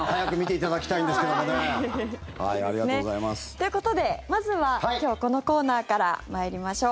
ということで、まずは今日このコーナーから参りましょう。